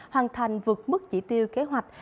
hoàn thành vượt mức chỉ tiêu kế hoạch